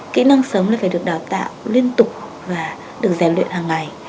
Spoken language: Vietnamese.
kỹ năng sống là phải được đào tạo liên tục và được rèn luyện hàng ngày